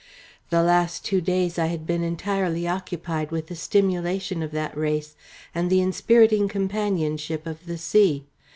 These last two days I had been entirely occupied with the stimulation of that race and the inspiriting companionship of the sea.